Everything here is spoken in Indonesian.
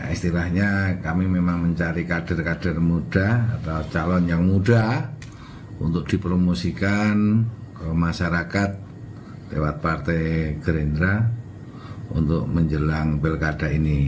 istilahnya kami memang mencari kader kader muda atau calon yang muda untuk dipromosikan ke masyarakat lewat partai gerindra untuk menjelang pilkada ini